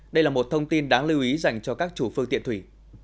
đây là một thông tin đáng lưu ý dành cho các chủ phương tiện thủy